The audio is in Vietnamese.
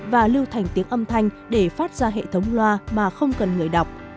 và lưu thành tiếng âm thanh để phát ra hệ thống loa mà không cần người đọc